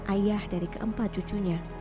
ayah dari keempat cucunya